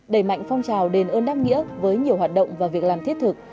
đẩy mạnh phong trào đền ơn đáp nghĩa với nhiều hoạt động và việc làm thiết thực